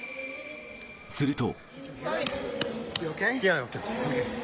すると。